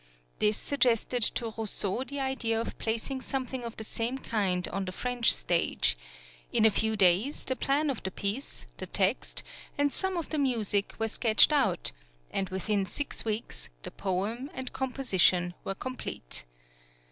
This suggested to Rousseau the idea of placing something of the same kind on the French stage; in a few days the plan of the piece, the text, and some of the music were sketched out, and within six weeks, the poem and composition were complete.